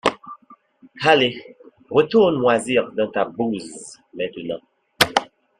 Allez, retourne moisir dans ta bouse maintenant.